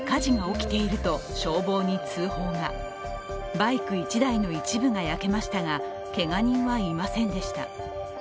バイク１台の一部が焼けましたがけが人はいませんでした。